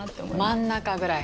真ん中ぐらい。